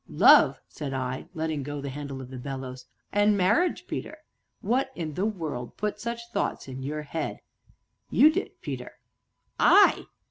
"Love!" said I, letting go the handle of the bellows. "An' marriage, Peter." "What in the world put such thoughts into your head?" "You did, Peter." "I?"